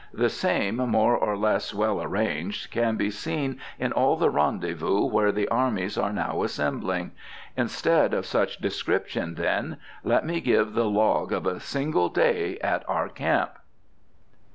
The same, more or less well arranged, can be seen in all the rendezvous where the armies are now assembling. Instead of such description, then, let me give the log of a single day at our camp.